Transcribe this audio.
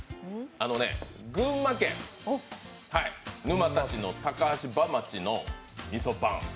群馬県沼田市の高橋場町のみそぱん。